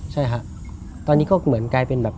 ใช่ครับตอนนี้ก็เหมือนกลายเป็นแบบ